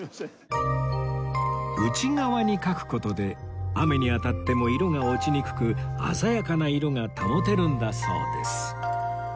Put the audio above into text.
内側に描く事で雨に当たっても色が落ちにくく鮮やかな色が保てるんだそうです